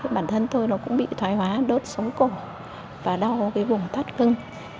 bản thân tôi cũng bị thoải mái đốt sống cổ và đau vùng thắt cưng